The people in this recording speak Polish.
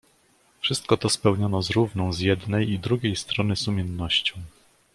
"Wszystko to spełniono z równą z jednej i drugiej strony sumiennością."